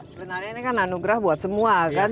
sebenarnya ini kan anugerah buat semua kan